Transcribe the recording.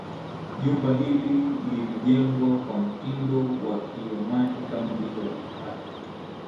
Jumba hili lilijengwa kwa mtindo wa kiomani kama jengo la kifahari